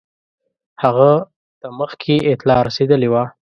هغه ته مخکي اطلاع رسېدلې وه.